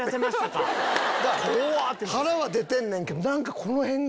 腹は出てんねんけどこの辺が。